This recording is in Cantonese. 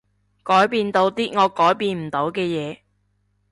改變到啲我改變唔到嘅嘢